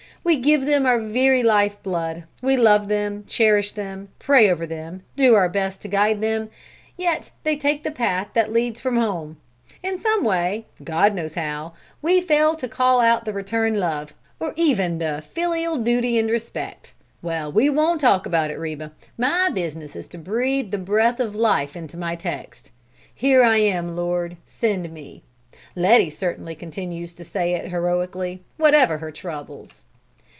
"We give them our very life blood. We love them, cherish them, pray over them, do our best to guide them, yet they take the path that leads from home. In some way, God knows how, we fail to call out the return love, or even the filial duty and respect! Well, we won't talk about it, Reba; my business is to breathe the breath of life into my text: 'Here am I, Lord, send me!' Letty certainly continues to say it heroically, whatever her troubles."